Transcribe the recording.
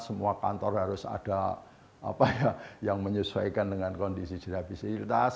semua kantor harus ada yang menyesuaikan dengan kondisi disabilitas